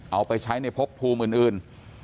เอาไปใช้ในพบภูมิอื่น